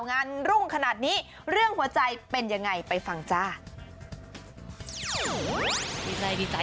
รุ่งขนาดนี้เรื่องหัวใจเป็นยังไงไปฟังจ้า